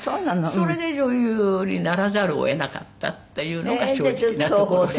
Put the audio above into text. それで女優にならざるを得なかったっていうのが正直なところで。